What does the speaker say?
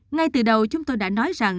ngay từ đầu chúng tôi đã nói rằng